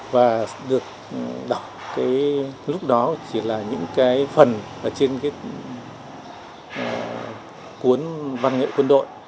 và được đọc cái lúc đó chỉ là những cái phần ở trên cái cuốn văn nghệ quân đội